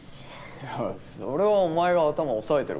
いやそれはお前が頭押さえてるからじゃん。